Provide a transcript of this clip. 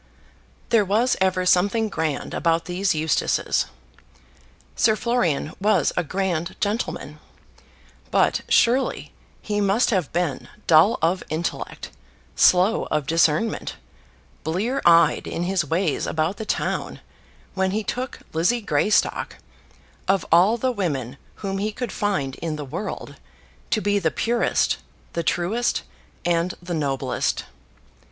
There was ever something grand about these Eustaces. Sir Florian was a grand gentleman; but surely he must have been dull of intellect, slow of discernment, blear eyed in his ways about the town, when he took Lizzie Greystock, of all the women whom he could find in the world, to be the purest, the truest, and the noblest.